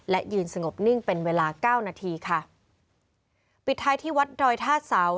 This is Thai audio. และยืนสงบนิ่งเป็นเวลาเก้านาทีค่ะปิดท้ายที่วัดดอยท่าเสา